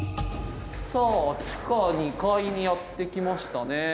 さあ地下２階にやって来ましたね。